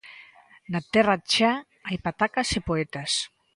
Na Terra Chá hai patacas e poetas